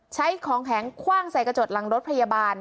ใช้ของแข็งคว่างใส่กระจกหลังรถพยาบาล